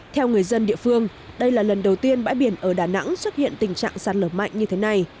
theo người dân địa phương đây là lần đầu tiên bãi biển ở đà nẵng xuất hiện tình trạng sạt lở mạnh như thế này